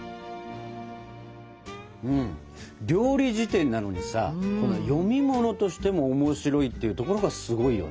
料理事典なのにさ読み物としても面白いっていうところがすごいよね。